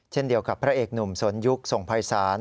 เช่นเดียวกับพระเอกหนุ่มสนยุคส่งภัยศาล